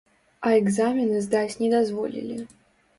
А экзамены здаць не дазволілі.